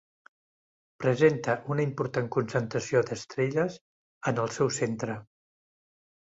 Presenta una important concentració d'estrelles en el seu centre.